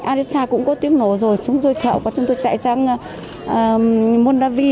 arisa cũng có tiếng nổ rồi chúng tôi chạy sang mondavi